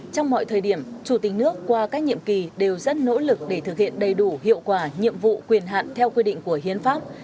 trong mọi thời điểm chủ tịch nước qua các nhiệm kỳ đều rất nỗ lực để thực hiện đầy đủ hiệu quả nhiệm vụ quyền hạn theo quy định của hiến pháp